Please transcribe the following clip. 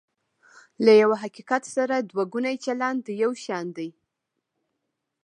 له یوه حقیقت سره دوه ګونی چلند یو شان دی.